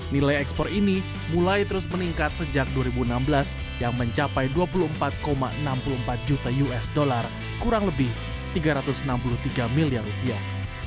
nilai ekspor ini mulai terus meningkat sejak dua ribu enam belas yang mencapai dua puluh empat enam puluh empat juta usd kurang lebih tiga ratus enam puluh tiga miliar rupiah